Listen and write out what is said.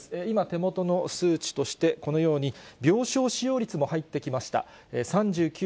今、手元の数値として、このように病床使用率も入ってきました。